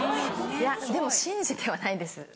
いやでも信じてはないです。